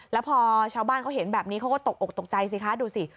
แล้วพอชาวบ้านเขาเห็นแบบนี้เขาก็ตกอกตกใจสิคะดูสิ